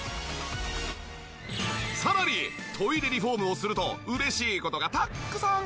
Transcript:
さらにトイレリフォームをすると嬉しい事がたくさん！